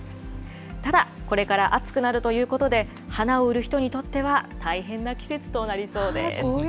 ただ、これから暑くなるということで、花を売る人にとっては大変な季節となりそうです。